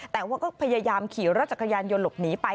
แต่ว่าก็พยายามขี่รถจักรยานยนต์หลบหนีไป